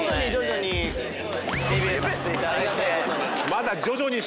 まだ。